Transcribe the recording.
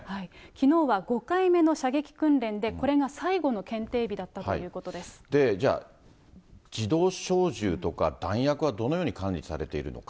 きのうは５回目の射撃訓練で、これが最後の検定日だったというじゃあ、自動小銃とか、弾薬はどのように管理されているのか。